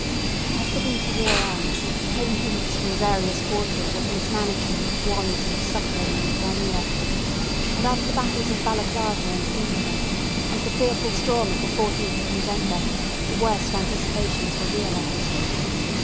As the winter wore on, came hints from various quarters of mismanagement, want, and suffering in the Crimea; and after the battles of Balaclava and Inkermann, and the fearful storm of the 14th of November, the worst anticipations were realized.